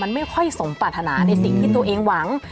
มันไม่ค่อยสมปรารถนาในสิ่งที่ตัวเองหวัง